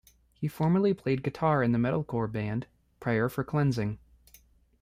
He formerly played guitar in the metalcore band, Prayer for Cleansing.